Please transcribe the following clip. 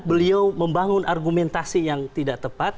beliau membangun argumentasi yang tidak tepat